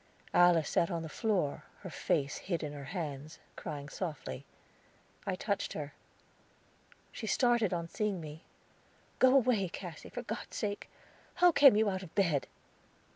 Alice sat on the floor, her face hid in her hands, crying softly. I touched her. She started on seeing me. "Go away, Cassy, for God's sake! How came you out of bed?"